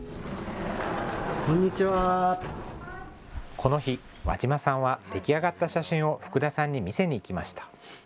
この日、和嶋さんは出来上がった写真を福田さんに見せに行きました。